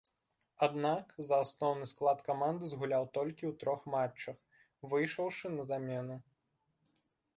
Аднак, за асноўны склад каманды згуляў толькі ў трох матчах, выйшаўшы на замену.